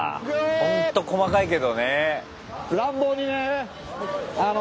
ほんと細かいけどね。